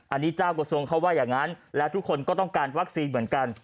อันนี้เจ้ากระทรวงเขาว่าอย่างนั้นและทุกคนก็ต้องการวัคซีนเหมือนกัน